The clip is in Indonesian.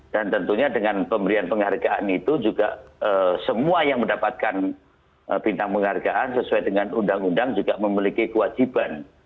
dan tentunya dengan pemberian penghargaan itu juga semua yang mendapatkan bintang penghargaan sesuai dengan undang undang juga memiliki kewajiban